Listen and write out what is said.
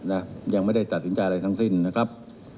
ยังไม่ได้ตัดสินใจอะไรทั้งสิ้นนะครับ